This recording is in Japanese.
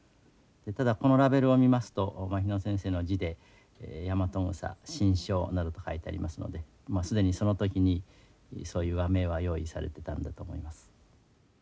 ただこのラベルを見ますと牧野先生の字でヤマトグサ新称などと書いてありますのでもう既にその時にそういう和名は用意されていたんだと思います。